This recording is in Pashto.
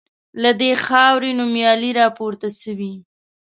له دې خاوري نومیالي راپورته سوي